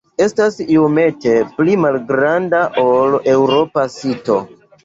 Estas iomete pli malgranda ol eŭropa sito.